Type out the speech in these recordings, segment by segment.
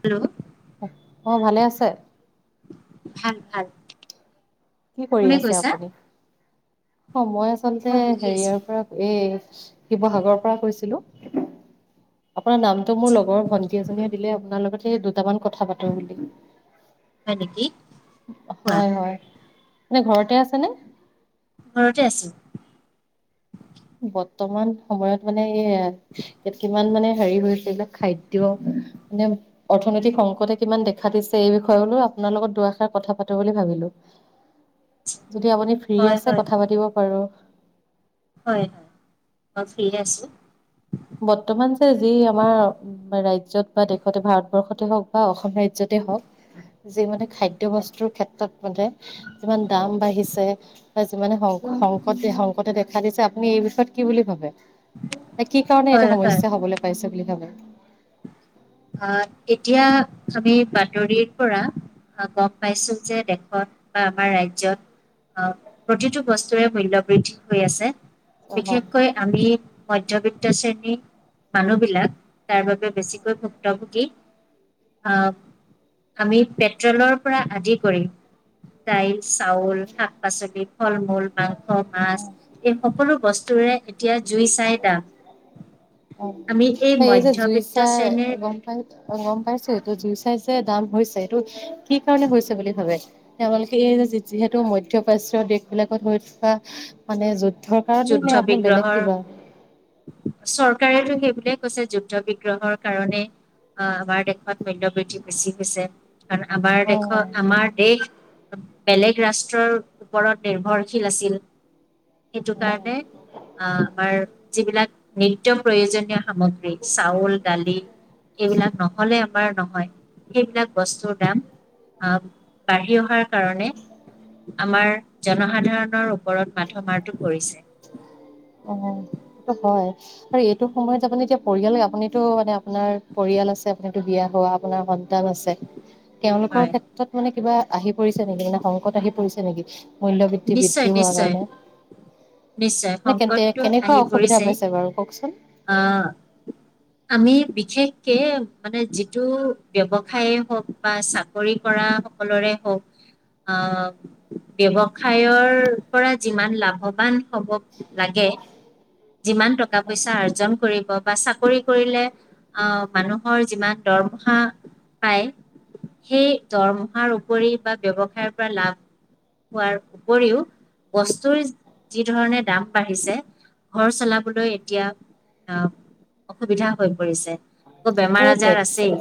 Hello অ' ভালে আছে? ভাল ভাল কি কৰি কোনে আছে কৈছা আপুনি? অ' মই আচলতে মই বহি আছো হেৰিয়াৰ পৰা, এই শিৱসাগৰৰ পৰা কৈছিলো। আপোনাৰ নামটো মোৰ লগৰ ভণ্টি এজনীয়ে দিলে, আপোনাৰ লগত সেই [unintelligible] দুটামান কথা পাতো বুলি। হয় নেকি কোৱা হয় হয় মানে ঘৰতে আছে নে? ঘৰতে আছো। [unintelligible] বৰ্তমান সময়ত মানে সেয়া, ইয়াত কিমান মানে হেৰি হৈছিল যে খাদ্য মানে অৰ্থনৈতিক সংকটে কিমান দেখা দিছে এই বিষয়ে বোলো আপোনাৰ লগত দুআষাৰ কথা পাতো বুলি ভাবিলো। যদি আপুনি ফ্ৰী হয় আছে, হয় কথা পাতিব পাৰো হয় মই ফ্ৰ্ৰীে আছোঁ বৰ্তমান যে যি আমাৰ ৰাজ্যত বা দেশতে ভাৰতবৰ্ষতে হওঁক বা অসম ৰাজ্যতে হওঁক যে মানে খাদ্য হয় বস্তুৰ ক্ষেত্ৰত যিমান দাম বাঢ়িছে বা যিমানে সং সংকটে সংকটে দেখা দিছে আপুনি এই বিষয়ত কি বুলি ভাবে? কি কাৰণে এইটো হয় হয় সমস্যা হ'বলৈ পাইছে বুলি ভাবে? আহ এতিয়া আমি বাতৰিৰ পৰা গম পাইছো যে দেশত বা আমাৰ ৰাজ্যত আহ প্ৰতিটো বস্তুৰে মূল্য বৃদ্ধি হৈ আছে। অ বিশেষকৈ আমি মধ্যবিত্ত শ্ৰেণীৰ মানুহ বিলাক তাৰ বাবে বেছিকৈ ভু ভুক্তভোগী আহ আমি পেট্ৰলৰ পৰা আদি কৰি প্ৰায় চাউল, শাক, পাচলি ফল-মূল, মাংস-মাছ এই সকলো বস্তুৰে এতিয়া জুই চাই দাম। অ', আমি এই যে জুই মধ্যবিত্ত চাই শ্ৰেণীৰ গম গম পাইছে, এইটো জুই চাই যে দাম হৈছে এইটো কি কাৰণে হৈছে বুলি ভাবে? তেওঁলোকে এই যে যিহেতু মধ্যপ্ৰাচীয় দেশবিলাকত হৈ থকা মানে য ঘৰৰ কাৰণে যুদ্ধ নে আপুনি বেলেগ বিগ্ৰহৰ কিবা। চৰকাৰেতো সেই বুলিয়ে কৈছে যুদ্ধ বিগ্ৰহৰ কাৰণে, আমাৰ দেশত মূল্য বৃদ্ধি বেছি হৈছে। কাৰণ আমাৰ দেশৰ উম, আমাৰ দেশ বেলেগ ৰাষ্ট্ৰৰ ওপৰত নিৰ্ভৰশীল আছিল। সেইটো উম, কাৰণে আ আমাৰ যিবিলাক নিত্য প্ৰয়োজনীয় সামগ্ৰী চাউল দালি। এইবিলাক নহ'লে? আমাৰ নহয় সেইবিলাক বস্তুৰ দাম বাঢ়ি অহাৰ কাৰণে আমাৰ জনসাধাৰণৰ ওপৰত মাথা মাৰ কৰিছে। অ হয় আৰু এইটো সময়ত আপুনি এতিয়া পৰিয়াল আপুনিতো মানে আপোনাৰ পৰিয়াল আছে আপুনিটো বিয়া হোৱা আপোনাৰ কিতাপ আছে তেওঁলোকৰ হয় ক্ষেত্ৰত মানে কিবা আহি পৰিছে নেকি মানে সংকট আহি পৰিছে নেকি মুল্যবৃদ্ধি নিশ্চয় বৃদ্ধি হোৱা নিশ্চয় বাবে। নিশ্চয় মানে কেন্তে সংকটটো কেনেকুৱা আহি অসুবিধা পৰিছে পাইছে বাৰু কওকচোন আহ আমি বিশেষকে মানে যিটো ব্যৱসায় হওক, বা চাকৰি কৰা সকলৰে হওক আহ ব্যৱসায় খায়ৰ পৰা যিমান লাভৱান হ'ব লাগে। যিমান টকা পইচা অৰ্জন কৰিব বা চাকৰি কৰিলে আহ মানুহৰ যিমান দৰমহা পায় সেই দৰমহাৰ উপৰি বা ব্যৱসায়ৰ পৰা লাভ হোৱাৰ উপৰিও বস্তুৰ যি ধৰণে দাম বাঢ়িছে ঘৰ চলাবলৈ এতিয়া আহ অসুবিধা হৈ পৰিছে আকৌ বেমাৰ সেই আজাৰ টেক্স আছেই অ'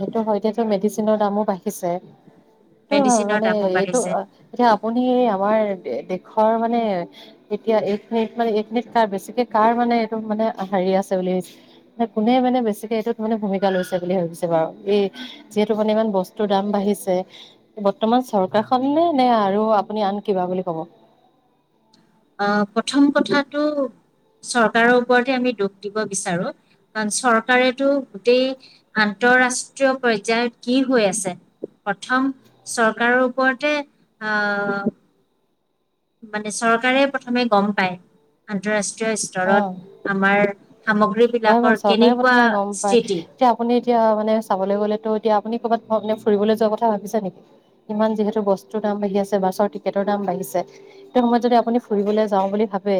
সেইটো হয় দিয়াচোন মে [unintelligible] দামো বাঢ়িছে সেইটো হয়, মেডিচিনৰ মানে দামো এইটো বাঢ়িছে এতিয়া আপুনি আমাৰ দেশ কও মানে এতিয়া এক মিনিট মানে এক মিনিট কাৰ বেছিকে কাৰ মানে এইটোত মানে হেৰি আছে বুলি কোনে মানে বেছি এইটোত মানে ভূমিকা লৈছে বুলি ভাবিছে বাৰু, এই যিহেতু মানে ইমান বস্তুৰ দাম বাঢ়িছে বৰ্তমান চৰকাৰ খননে নে আৰু আপুনি আন কিবা বুলি কব। অহ' প্ৰথম কথাটো চৰকাৰৰ ওপৰতে আমি দোষ দিব বিচাৰো। কাৰণ চৰকাৰেতো গোটেই আন্তৰাষ্ট্ৰীয় পৰ্যায়ত কি হৈ আছে প্ৰথম চৰকাৰৰ ওপৰতে আ' মানে চৰকাৰে প্ৰথমে গম পায়। আন্তঃৰাষ্ট্ৰীয় আন্তঃৰাষ্ট্ৰীয় অ স্তৰত আমাৰ সামগ্ৰী হয় বাৰু বিলাকৰ চৰকাৰে কেনেকুৱা প্ৰথমে গম পায়। স্থিতি এতিয়া আপুনি এতিয়া মানে চাবলৈ গলেতো এতিয়া আপুনি ক'ৰবাত ফুৰিবলৈ যোৱা কথা ভাবিছে নেকি? ইমান যিহেতু বস্তুৰ দাম বাঢ়ি আছে বাছৰ টিকেটৰ দাম বাঢ়িছে, সেইটো সময়ত যদি আপুনি ফুৰিবলৈ যাও বুলি ভাবে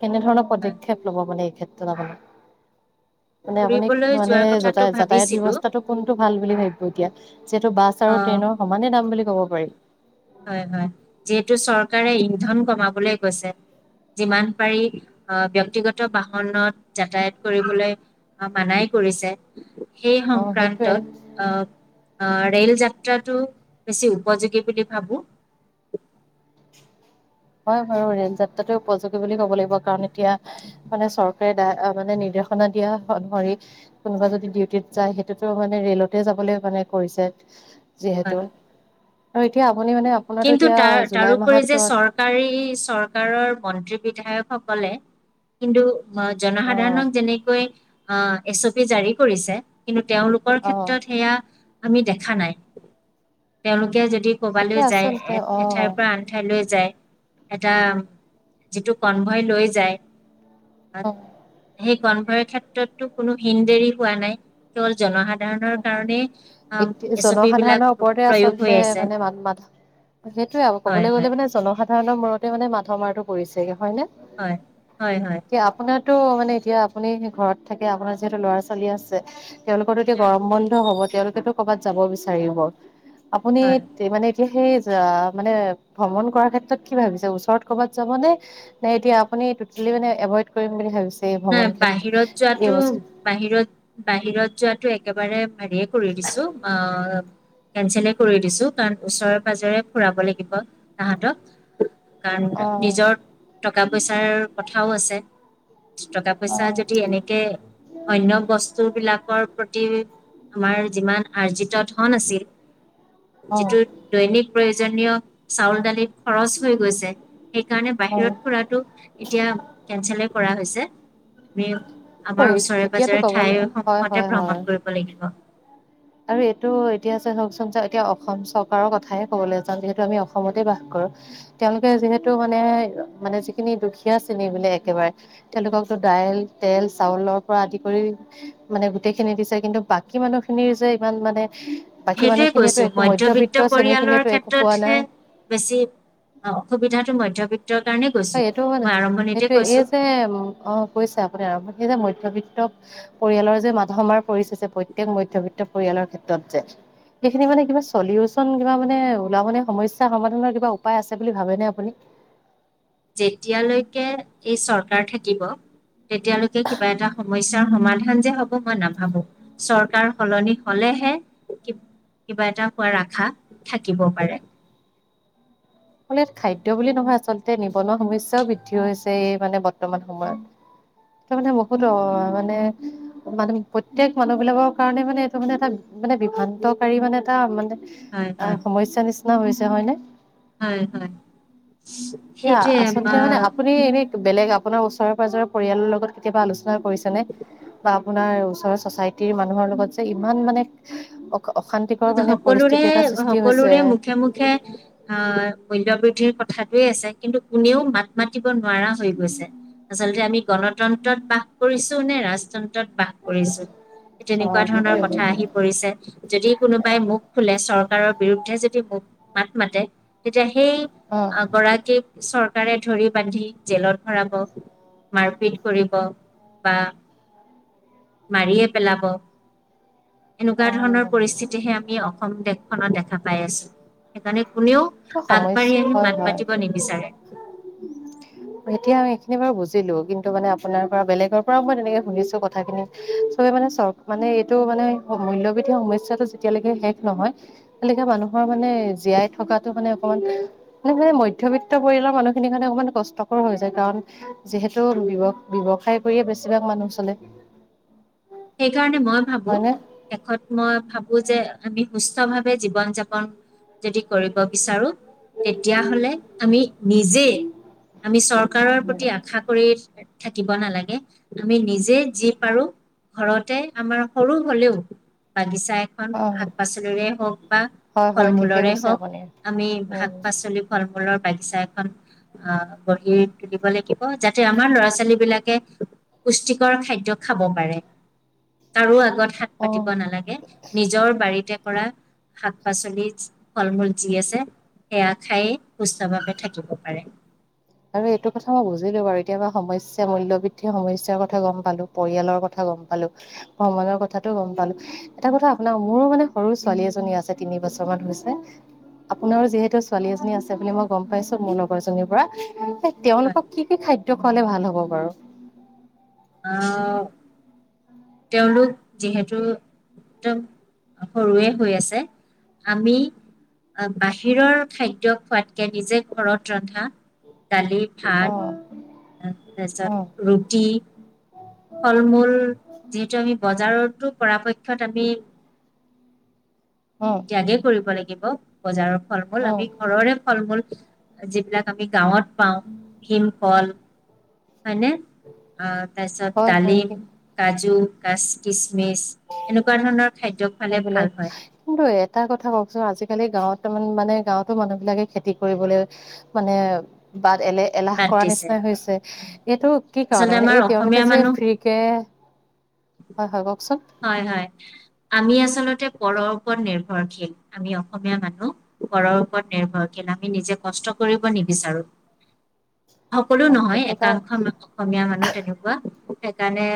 কেনেধৰণৰ হয় পদক্ষেপ ল'ব মানে এইক্ষেত্ৰত। [unintelligible] মানে আপুনি ফুৰিবলৈ মানে যোৱাৰ যতা কথাটো যাতায়াত ভাবিছিলো ব্যৱস্থাটো কোনটো ভাল বুলি ভাবিব। এতিয়া, যিহেতু বাছ অ আৰু ট্ৰেইনৰ সমানে দাম বুলি কব পাৰি। হয় হয় যিহেতু চৰকাৰে ইন্ধন কমাবলৈ গৈছে যিমান পাৰি অহ ব্যক্তিগত বাহনত যাতায়াত কৰিবলৈ অ মানাই কৰিছে সেই অ' সেইটোৱে সংক্ৰান্তত আহ আ ৰে'ল যাত্ৰাটো বেছি উপযোগী বুলি ভাবোঁ হয় বাৰু ৰে'ল যাত্ৰাতো উপযোগী বুলি ক'ব লাগিব কাৰণ এতিয়া মানে চৰকাৰে দা অ মানে নিৰ্দেশনা দিয়া অনুসৰি কোনোবা যদি ডিউটিত যায় সেইটোতো মানে ৰেলতে যাবলৈ মানে কৰিছে হয় যিহেতু আৰু এতিয়া আপুনি মানে আপোনাতো কিন্তু এতিয়া তাৰ জুলাই তাৰোপৰি যে মাহত চৰকাৰী চৰকাৰৰ মন্ত্ৰী বিধায়কসকলে কিন্তু জনসাধাৰণক যেনেকৈ অ এছ অ পি জাৰি কৰিছে কিন্তু তেওঁলোকৰ অ ক্ষেত্ৰত সেয়া আমি দেখা নাই তেওঁলোকে যদি সেইটোৱে কবালৈ যায় আচলতে এ অ এঠাইৰ পৰা আন ঠাইলৈ যায় এটা যিটো কনভয় লৈ যায় আত অ সেই কন্ভাৰে ক্ষেত্ৰততো কোনো হিন দেৰি হোৱা নাই কেৱল জনসাধাৰণ সাধাৰণৰ কাৰণেই এতিয়া এছ অ' পি বিলাক প্ৰয়োগ হৈ আছে বাকি সেইটোয়ে আৰু হয়, ক'বলৈ গ'লে হয়, মানে জনসাধ সাধাৰণৰ মূৰতে মাধৰ-মাৰটো পৰিছে চাগে। হয় নে হয়, হয়, হয়, কি আপোনাৰ টো মানে এতিয়া আপুনি ঘৰত থাকে আপোনাৰ যিহেতু ল'ৰা ছোৱালী আছে তেওঁলোক কি হয়। গৰম বন্ধ হ'ব তেওঁলোকেতো ক'ৰবাত যাব বিচাৰিব আপুনি হয় যিমানে এতিয়া সেই যা মানে ভ্ৰমণ কৰাৰ ক্ষেত্ৰত কি ভাবিছে ওচৰত ক'ৰবাত যাবনে নে এতিয়া আপুনি টোটেলি মানে এভইড কৰিম বুলি ভাবিছে এই নাই ভ্ৰমণ বাহিৰত ক্ষেত্ৰত এই যোৱাটো বছৰ বাহিৰত বাহিৰত যোৱাটো এক একেবাৰে [unintelligible] কৰি দিছো অ কেঞ্চেলে কৰি দিছো কাৰণ ওচৰে-পাজৰে ফুৰাব লাগিব তাহঁতক কাৰণ অ নিজৰ টকা পইচাৰ কথা। আও আছে টকা অ পইচা যদি এনেকে, অন্য বস্তু বিলাকৰ প্ৰতি আমাৰ যিমান আৰ্জিত ধন আছিল অ যিটো দৈনিক প্ৰয়োজনীয় চাউল, দালি খৰচ হৈ গৈছে, সেইকাৰণে অ বাহিৰত ফুৰা টো এতিয়া কেনচেল কৰা হৈছে [inaudible] আমি, আমাৰ হয় এতিয়াতো ওচৰে-পাজৰে ক'বলৈ ঠাই হয় সমূহতে হয় হয় ভ্ৰমণ কৰিব লাগিব। আৰু এইটো এতিয়া [unintelligible] এতিয়া অসম চৰকাৰৰ কথাহে ক'বলৈ যাও, যিহেতু আমি অসমতে বাস কৰোঁ, তেওঁলোকে যিহেতু মানে, মানে যিখিনি দুখীয়া শ্ৰেণীৰ বোলে একেবাৰে, তেওঁলোকক তো দাইল, তেল, চাউলৰ পৰা আদি কৰি, মানে গোটেই খিনি দিছে, কিন্তু বাকী মানুহখিনিৰ যে ইমান মানে বাকী সেইটোয়ে মানুহখিনিয়েতো কৈছো, একো মধ্যবিত্ত শ্ৰেণীৰ পৰিয়ালৰ খিনিয়েতো একো পোৱা ক্ষেত্ৰতহে নাই। বেছি, অ, অসুবিধাটো মধ্যবিত্ত হয় এইটো মানে, সেইটোয়ে এই কৈছো যে, অ, পইচা [unintelligible] মধ্যবিত্ত, পৰিয়ালৰ যে মাধ মাৰ পৰিছে প্ৰত্যেক মধ্যবিত্ত পৰিয়ালৰ ক্ষেত্ৰত যে, সেইখিনি মানে কিবা চলিউচন কিবা মানে উলাবনে সমস্যা সমাধানৰ কিবা উপায় আছে বুলি ভাবেনে আপুনি। যেতিয়ালৈকে এই চৰকাৰ থাকিব তেতিয়ালৈকে কিবা এটা সমস্যা সমাধান যে হ'ব মই নাভাবো। চৰকাৰ সলনি হ'লেহে, কিব কিবা এটা হোৱা আশা থাকিব পাৰে। [unintelligible] ইয়াত খাদ্য বুলি নহয় আচলতে নিবনুৱা সমস্যা বৃদ্ধি হৈছে এই মানে বৰ্তমান সময়ত, এইটো মানে বহুত অ, মানে, [unintelligible] প্ৰত্যেক মানুহ বিলাকৰ কাৰণে মানে এইটো মানে এটা মানে বিভ্ৰান্তকাৰী মানে এটা মানে হয় অ, হয় সমস্যা নিচিনা হৈছে [unintelligible] হয়‌ নে? হয় হয়, এতিয়া সেইটোৱেই আচলতে মানে আমাৰ আপুনি এনে বেলেগ আপোনাৰ ওচৰৰ পাজৰৰ পৰিয়ালৰ লগত কেতিয়াবা আলোচনা [unintelligible] কৰিছে নে বা নাই ওচৰৰ চচাইটিৰ মানুহৰ লগত যে, ইমান মানে অক সকলোৰে হৈছে। সকলোৰে মুখে মুখে, অ মূল্যবৃদ্ধিৰ কথাটোৱেই আছে কিন্তু কোনেও মাত মাত [unintelligible] নোৱাৰা হৈ গৈছে, আচলতে আমি গণতন্ত্ৰত বাস কৰিছো নে ৰাজতন্ত্ৰ ত বাস কৰিছোঁ। তেনেকুৱা অ', ধৰণৰ সেইটোৱে কথা সেইটোৱে। আহি পৰিছে, যদি কোনোবাই মুখ খোলে চৰকাৰৰ বিৰুদ্ধে যদি মুক মাত মাতে, তেতিয়া সেই, অ, গৰাকীক চৰকাৰে ধৰি বান্ধি জেলত ভৰাব, মাৰপিট কৰিব বা মাৰিয়ে পেলাব। এনেকুৱা অ'। ধৰণৰ পৰিস্থিতিহে আমি অসম দেশখনত দেখা পাই আছো। সেইকাৰণে কোনেও আগবাঢ়ি সমস্যা আহি হয় মাত হয়। মাতিব নিবিচাৰে। এ বাৰ বুজিলো [unintelligible] সেইকাৰণে মই ভাবো হয়নে শেষত মই ভাবো যে আমি সুস্থ ভাৱে জীৱন যাপন যদি কৰিব বিচাৰো তেতিয়াাহলে আমি নিজে আমি চৰকাৰৰ প্ৰতি আশা কৰি থাকিব নালাগে আমি নিজে যি পাৰো ঘৰতে আমাৰ সৰু হলেও বাগিচা এখন অ শাক পাচলিৰে হওক বা হয় ফল হয় ঠিকে মূলৰে কৈছে হওক আপুনি আমি উম শাক পাচলি ফল মূল লৰ বাগিছা এখন আহ গঢ়ি তুলিব লাগিব যাতে আমাৰ ল'ৰা ছোৱালী বিলাকে পুষ্টিকৰ খাদ্যয় খাব পাৰে তাৰো আগত অ [inaudible] নালাগে নিজৰ বাৰীতে শাক পাচলি ফল মূল যি আছে সেয়া খায়েই সুস্থভাৱে থাকিব পাৰে আৰু এইটো কথা মই বুজিলো বাৰু এতিয়াবা সমস্যা মূল্য় বৃদ্ধিৰ সমস্যাৰ কথা গম পালো পৰিয়ালৰ কথা গম পালো ভগৱান কথাটো গম পালো এটা কথা আপোনাৰ মোৰো মানে সৰু ছোৱালী এজনী আছে তিনি বছৰ মান হৈছে আপোনাৰো যিহেতু ছোৱালী এজনী আছে বুলি মই গম পাইছো মোৰ লগৰ জনীৰ পৰা অ [inaudible] হয় তেওঁলোকক কি কি খাদ্য টো খালে ভাল হ'ব বাৰু আহ তেওঁলোক যিহেতু একদম সৰুৱে হৈ আছে আমি বাহিৰৰ খাদ্য খোৱাতকে নিজে ঘৰত ৰন্ধা দালি, অ ভাত অ তাৰপিছত ৰুটি ফল মূল যিহেতু আমি বজাৰত পৰাপক্ষত আমি অ ত্যাগেই কৰিব লাগিব বজাৰৰ ফল মূল অ আমি ঘৰৰে ফল মূল যিবিলাক আমি গাঁৱত পাওঁ ভীমকল হয় নে অ তাৰপিছত হয় হয় ডালিম, কাজু কিচমিচ এনেকুৱা ধৰণৰ খাদ্য খালে ভাল সেইবিলাক হয় কিন্তু এটা কথা কওকচোন আজিকালি গাঁৱত ্তমান মানে গাঁৱতো মানুহ বিলাকে খেতি কৰিবলৈ মানে বাট এলে এলাহ বাদ কৰা দিছে নিচিননা হৈছে আচলতে এইটো কি কাৰনেে মানে আমাৰ এই তেওঁলোকে অসমীয়া যে মানুহ ফ্ৰী কে হয়' হয়' কও হয় হয়। আমি আচলতে পৰৰ ওপৰত নিৰ্ভৰশীল আমি অসমীয়া মানুহ পৰৰ ওপৰত নিৰ্ভৰশীল আমি নিজে কষ্ট কৰিব নিবিচাৰো। সকলো অ নহয় সেইটো কাৰ একাংশ অসমীয়া মানুহ তেনেকুৱা। সেইকাৰণে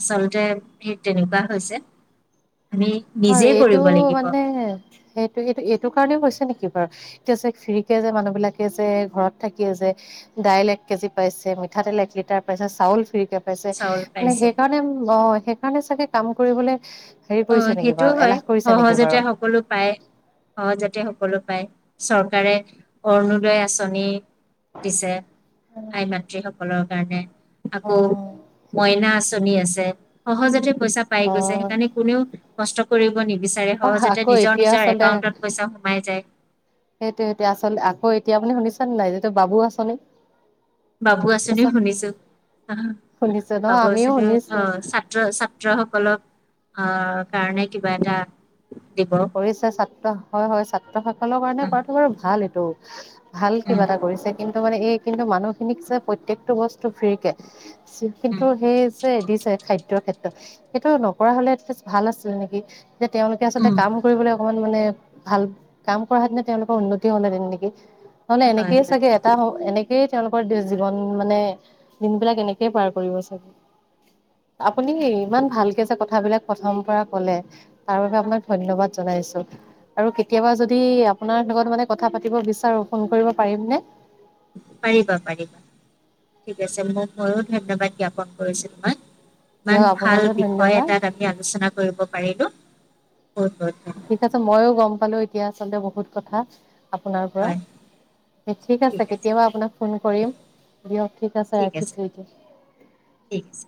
আচলতে তেনেকুৱা হৈছে। আমি আৰু নিজে এইটো কৰিব লাগিব মানে সেইটো এইটো এইটো কাৰণেও হৈছে নেকি। এতিয়া যে ফ্ৰীকে যে মানুহ বিলাকে যে ঘৰত থাকিয়ে যে দাইল এক কেজি পাইছে, মিঠাতেল এক লিটাৰ পাইছে, চাউল ফ্ৰী পাইছে চাউল মানে পাইছে সেইকাৰণে অ সেইকাৰণে চাগে। কাম কৰিবলৈ সেই পইচা সেইটো হয় সহজতে সকলো পায় সহজতে সকলো চৰকাৰে অৰুণোদয় আঁচনি। দিছে আই মাতৃসক সকলৰ কাৰণে আকৌ অ মইনা আছ চলি আছে সহজতে পইচা পাই অ গৈছে সেইকাৰণে কষ্ট কৰিব নেকি? অ', আকৌ এতিয়া আচলতে পইচা সোমাই যায় সেইটোয়ে সেইটোয়ে আচলতে আকৌ এতিয়া এতিয়া আপুনি শুনিছ নে নাই যিটো বাবু আচনি বাবু আঁচনিও শুনিছো শুনিছে ন বাবু আমিও আঁচনিৰো শুনিছো অ', ছাত্ৰ ছাত্ৰ সকলক অ', কাৰণে কিবা এটা দিব কৰিছে ছাত্ৰ। হয় হয় ছাত সকলৰ কাৰণে উম, কৰাটো বাৰু ভাল এইটো। ভাল উম, কিবা এটা কৰিছে কিন্তু মানে এই কিন্তু মানুহখিনিক যে প্ৰত্যেকটো বস্তু ফ্ৰীকে কিন্তু উম, সেই যে দিছে খাদ্য ক্ষেত্ৰত সেইটো নকৰা হলে এটলিষ্ট ভাল আছিল নেকি? যে তেওঁলোকে আচলতে উম, অকমান মানে ভাল কাম কৰা হেতেনে তেওঁলোকৰ উন্নতি হ'ল হেতেন নেকি! নহ'লে হয়, এনেকে হয় চাগে এটা সেইটোতো হয়। এনেকেই তেওঁলোকৰ জীৱন মানে দিন বিলাক এনেকেই পাৰ কৰিব চাগে আপুনি ইমান ভালকে যে কথাবিলাক প্ৰথম পৰা গ'লে তাৰোগামত ধন্যবাদ জনাইছো আৰু কেতিয়াবা যদি আপোনাৰ লগত মানে কথা পাতিব বিচাৰো ফোন কৰিব পাৰিমনে? পাৰিবা পাৰিবা, ঠিক আছে মোক বহো ধন্যবাদ জ্ঞাপন। কৈছিল ন'। দিয়ক ইমান ভাল আপোনালৈও বিষয় ধন্যবাদ এটাত আমি আলোচনা কৰিব পাৰিলো। অ'। ঠিক আছে মইয়ো গম পালো এতিয়া আচলতে বহুত কথা আপোনাৰ পৰা, হয় ঠিক আছে কেতিয়াবা আপোনাক ফোন কৰিম দিয়ক ঠিক, আছে ৰাখিছো এতিয়া। ঠিক আছে।